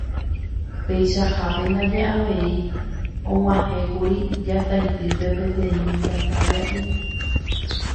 Peichahápe ndaje avei og̃uahẽkuri Jataitýpe peteĩ mitãkaria'y.